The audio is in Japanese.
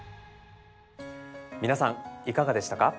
皆さんいかがでしたか？